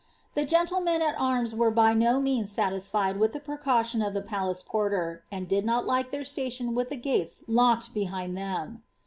The gea tlemen at arma were by no nieana aatiafied with the precantion of the palace porter, and did not like their atatioa with the gatea locked behiad them.'